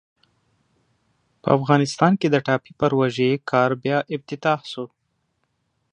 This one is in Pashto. په افغانستان کې د ټاپي پروژې کار بیا افتتاح سو.